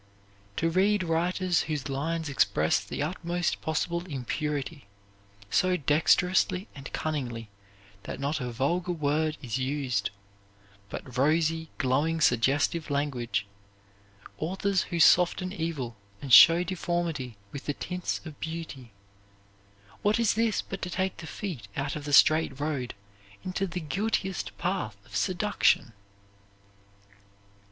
To read writers whose lines express the utmost possible impurity so dexterously and cunningly that not a vulgar word is used, but rosy, glowing, suggestive language authors who soften evil and show deformity with the tints of beauty what is this but to take the feet out of the straight road into the guiltiest path of seduction?